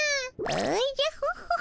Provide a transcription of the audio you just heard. おじゃホホッ。